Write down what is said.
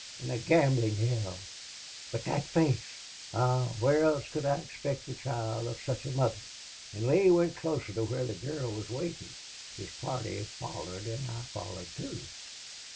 In a gamblin' hell! But that face!... Ah! where else could I expect the child of such a mother?' "An' Lee went closer to where the gurl was waitin'. His party follered an' I follered too....